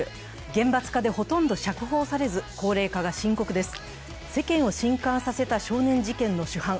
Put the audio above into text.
厳罰化でほとんど釈放されず、高齢化が深刻です。